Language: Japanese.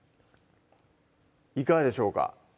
いかがでしょうか？